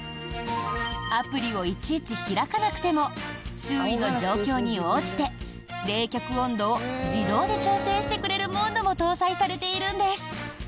アプリをいちいち開かなくても周囲の状況に応じて冷却温度を自動で調整してくれるモードも搭載されているんです。